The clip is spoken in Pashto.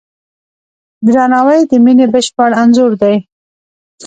درناوی د مینې بشپړ انځور دی.